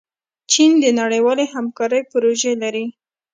چین د نړیوالې همکارۍ پروژې لري.